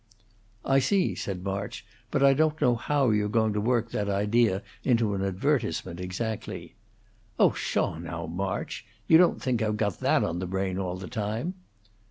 "I see," said March. "But I don't know how you're going to work that idea into an advertisement, exactly." "Oh, pahaw, now, March! You don't think I've got that on the brain all the time?"